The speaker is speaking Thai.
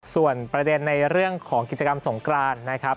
ส่วนประเด็นในเรื่องของกิจกรรมสงกรานนะครับ